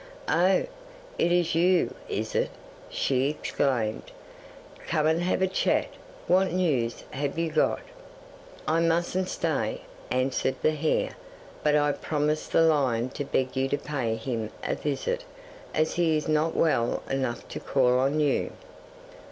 '"Oh, it is you, is it?" she exclaimed. "Come and have a chat. What news have you got?" '"I mustn't stay," answered the hare; "but I promised the lion to beg you to pay him a visit, as he is not well enough to call on you."